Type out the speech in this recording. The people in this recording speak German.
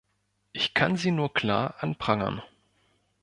Ich kann sie nur klar anprangern.